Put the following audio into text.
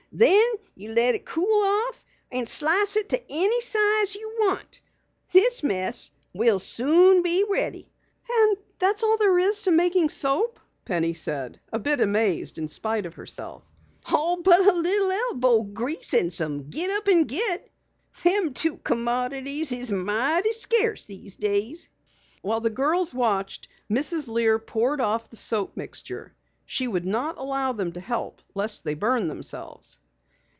"Then you let it cool off and slice it to any size you want. This mess'll soon be ready." "And that's all there is to making soap," Penny said, a bit amazed in spite of herself. "All but a little elbow grease and some git up and git!" the old lady chuckled. "Them two commodities are mighty scarce these days." While the girls watched, Mrs. Lear poured off the soap mixture. She would not allow them to help lest they burn themselves.